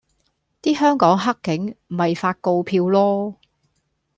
啲香港克警咪發告票囉